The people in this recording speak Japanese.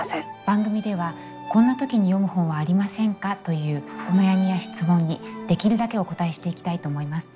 番組では「こんな時に読む本はありませんか？」というお悩みや質問にできるだけお応えしていきたいと思います。